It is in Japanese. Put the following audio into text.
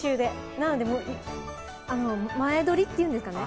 なので、前撮りっていうんですかね。